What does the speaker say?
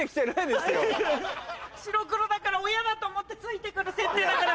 白黒だから親だと思ってついて来る設定だから。